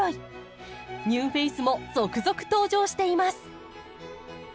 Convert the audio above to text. ニューフェースも続々登場しています。